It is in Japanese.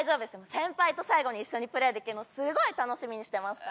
先輩と最後に一緒にプレーできるのすごい楽しみにしてました。